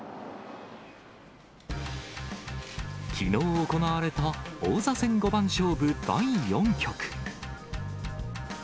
きのう行われた、王座戦五番勝負第４局。